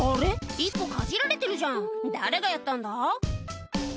１個かじられてるじゃん誰がやったんだ？